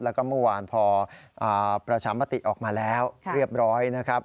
แล้วก็เมื่อวานพอประชามติออกมาแล้วเรียบร้อยนะครับ